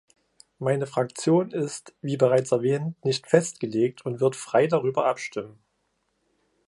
Meine Fraktion ist, wie bereits erwähnt, nicht festgelegt und wird frei darüber abstimmen.